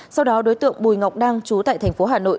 sau đó đối tượng bùi ngọc đăng chú tại tp hà nội